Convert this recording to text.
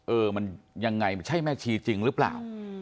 เออมันยังไงมันใช่แม่ชีจริงหรือเปล่า